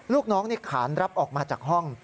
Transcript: ลูกน้องขานรับออกมาจากห้อง